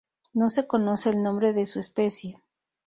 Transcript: No se conoce el nombre de su especie.